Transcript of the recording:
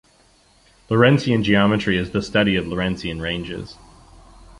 Lorentzian geometry is the study of Lorentzian ranges.